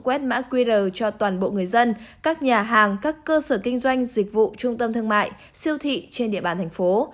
quét mã qr cho toàn bộ người dân các nhà hàng các cơ sở kinh doanh dịch vụ trung tâm thương mại siêu thị trên địa bàn thành phố